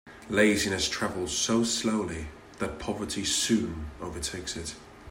Laziness travels so slowly that poverty soon overtakes it.